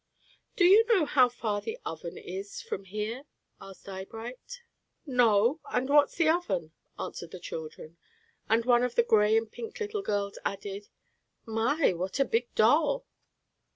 "Do you know how far the Oven is from here?" asked Eyebright. "No," and "What's the Oven?" answered the children, and one of the gray and pink little girls added: "My, what a big doll!"